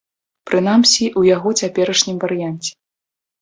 Прынамсі ў яго цяперашнім варыянце.